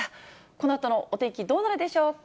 このあとのお天気、どうなるでしょうか。